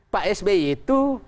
pak sby itu